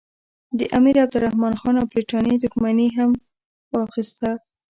د امیرعبدالرحمن خان او برټانیې دښمني یې هم واخیسته.